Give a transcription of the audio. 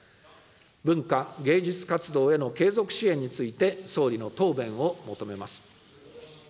文化芸術活動への継続支援について、総理の答弁を求めます。